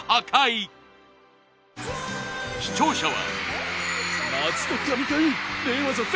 視聴者は。